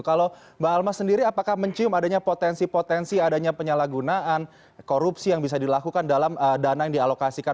kalau mbak almas sendiri apakah mencium adanya potensi potensi adanya penyalahgunaan korupsi yang bisa dilakukan dalam dana yang dialokasikan